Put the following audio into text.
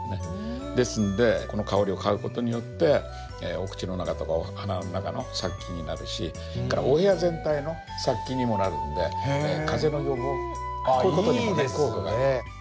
ですんでこの香りを嗅ぐ事によってお口の中とか鼻の中の殺菌になるしそれからお部屋全体の殺菌にもなるんであいいですね！